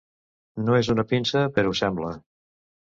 No és una pinça, però ho sembla.